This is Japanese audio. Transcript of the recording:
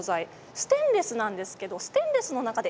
ステンレスなんですけれどステンレスの中で